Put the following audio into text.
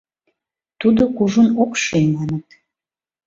Тудо кужун ок шӱй, маныт.